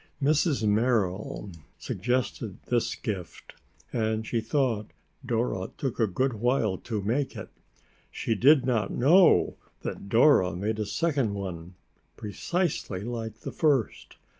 Mrs. Merrill suggested this gift and she thought Dora took a good while to make it. She did not know that Dora made a second one, precisely like the first.